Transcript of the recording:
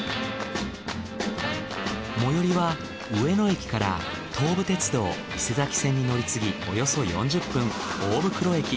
最寄りは上野駅から東武鉄道伊勢崎線に乗り継ぎおよそ４０分大袋駅。